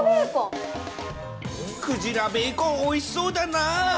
クジラベーコン、おいしそうだなぁ。